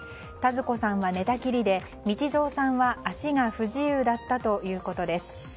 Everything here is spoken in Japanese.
多津子さんは寝たきりで道三さんは足が不自由だったということです。